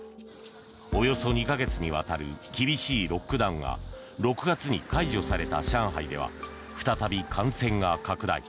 およそ２か月にわたる厳しいロックダウンが６月に解除された上海では再び感染が拡大。